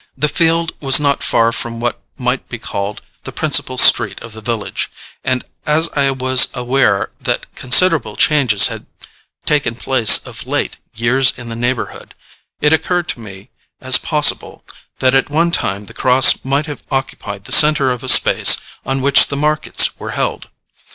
The field was not far from what might be called the principal street of the village; and as I was aware that considerable changes had taken place of late years in the neighbourhood, it occurred to me as possible, that at one time the cross might have occupied the centre of a space on which the markets were held.